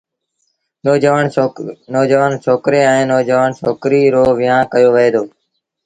نوجوآڻ ڇوڪري ائيٚݩ ڇوڪريٚ رو ويهآݩ ڪيو وهي دو۔